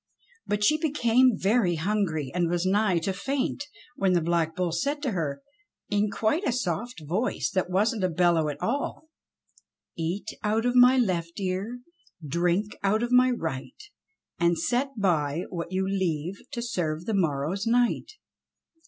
But she became very hungry and was nigh to faint when the Black Bull said to her, in quite a soft voice that wasn't a bellow at all : "Eat out of my left ear, Drink out of my right, And set by what you leave To serve the morrow's night."